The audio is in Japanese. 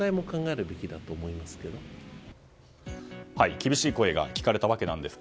厳しい声が聞かれたわけですが。